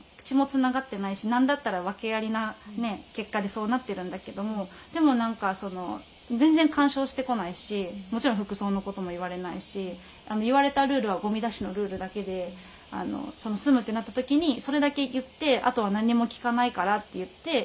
血もつながってないし何だったら訳ありな結果でそうなってるんだけどもでも何か全然干渉してこないしもちろん服装のことも言われないし言われたルールはゴミ出しのルールだけで住むってなった時にそれだけ言って「あとは何にも聞かないから」って言って。